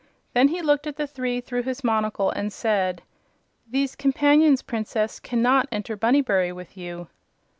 Then he looked at the three through his monocle and said: "These companions, Princess, cannot enter Bunnybury with you."